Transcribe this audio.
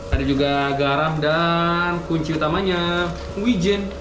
ada juga garam dan kunci utamanya wijen